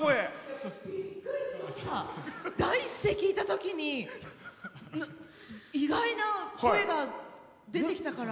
第一声、聴いたときに意外な声が出てきたから。